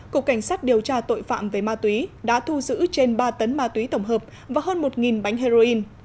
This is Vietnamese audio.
cục cảnh sát điều tra tội phạm về ma túy đã thu giữ trên ba tấn ma túy tổng hợp và hơn một bánh heroin